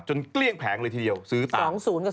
เกลี้ยงแผงเลยทีเดียวซื้อตาม